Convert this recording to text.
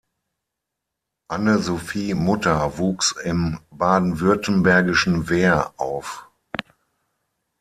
Anne-Sophie Mutter wuchs im baden-württembergischen Wehr auf.